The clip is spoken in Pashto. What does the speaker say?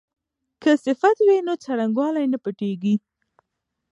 که صفت وي نو څرنګوالی نه پټیږي.